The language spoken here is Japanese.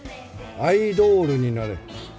アイドールになれ。